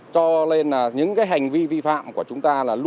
cho nên những hành vi vi phạm của chúng ta luôn bị ghi lại